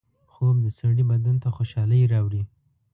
خوب د سړي بدن ته خوشحالۍ راوړي